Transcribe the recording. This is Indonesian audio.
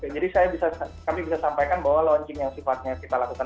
jadi saya bisa kami bisa sampaikan bahwa launching yang sifatnya kita lakukan